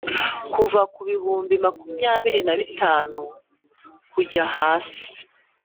Kuva ku bihumbi makumyabiri na bitanu kujya hasi